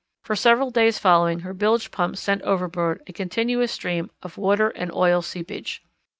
For several days following her bilge pumps sent overboard a continuous stream of water and oil seepage.